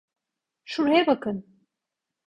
Şuraya bakın.